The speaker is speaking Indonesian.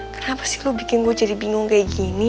kenapa sih lo bikin gue jadi bingung kayak gini